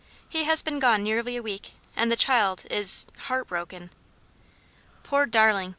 He has been gone nearly a week, and the child is heart broken." "Poor darling!